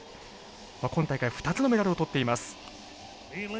今大会、２つのメダルをとっています。